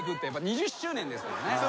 ２０周年ですからね。